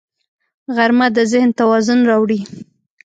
غرمه د ذهن توازن راوړي